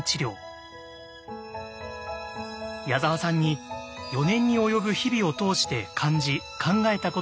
矢沢さんに４年に及ぶ日々を通して感じ考えたことを伺います。